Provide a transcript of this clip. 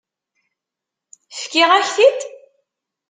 Fkiɣ-ak-t-id?